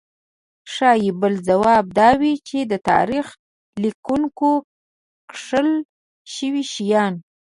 ښايي بل ځواب دا وي چې د تاریخ لیکونکو کښل شوي شیان.